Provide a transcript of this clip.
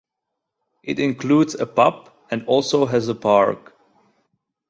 It includes a pub, and also has a park.